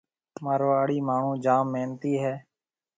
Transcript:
مارواڙي ماڻھون جام محنتي ھيَََ